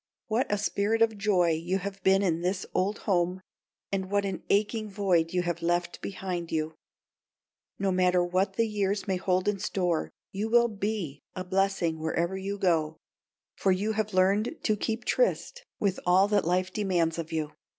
What a spirit of joy you have been in this old home, and what an aching void you have left behind you! No matter what the years may hold in store, you will be a blessing wherever you go, for you have learned to keep tryst with all that life demands of you.